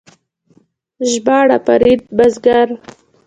ژباړه فرید بزګر